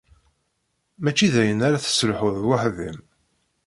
Mačči d ayen ara tesselḥuḍ weḥd-m.